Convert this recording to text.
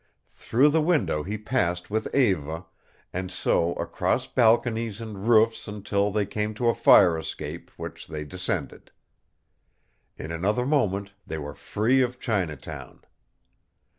Through the window he passed with Eva, and so across balconies and roofs until they came to a fire escape, which they descended. In another moment they were free of Chinatown.